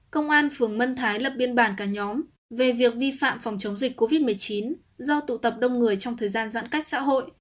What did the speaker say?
công an phường mân thái lập biên bản cả nhóm về việc vi phạm phòng chống dịch covid một mươi chín do tụ tập đông người trong thời gian giãn cách xã hội